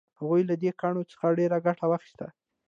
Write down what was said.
هغوی له دې کاڼو څخه ډیره ګټه واخیسته.